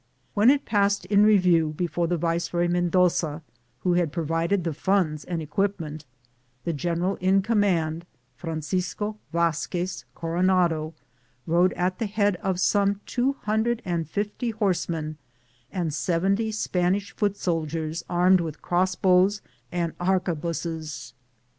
When it passed in sit, Google INTRODTJCTIOH review before the viceroy Mendoza, who had provided the funds and equipment, the gen eral in command, Francisco Vazquez Corona do, rode at the head of some two hundred and fifty horsemen and seventy Spanish foot soldiers armed with crossbows and harque buses.